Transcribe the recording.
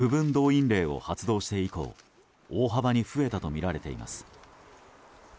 部分動員令を発動して以降大幅に増えたとみられています。